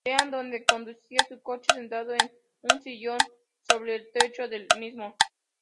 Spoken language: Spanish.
Bean", donde conducía su coche, sentado en un sillón sobre el techo del mismo.